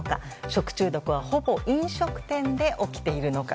食中毒のほぼ飲食店で起きているのか。